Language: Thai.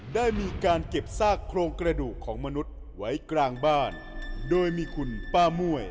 ได้มีการเก็บซากโครงกระดูกของมนุษย์ไว้กลางบ้านโดยมีคุณป้าม่วย